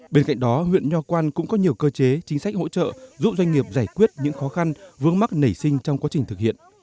bên cạnh đó huyện nho quan cũng có nhiều cơ chế chính sách hỗ trợ giúp doanh nghiệp giải quyết những khó khăn vướng mắc nảy sinh trong quá trình thực hiện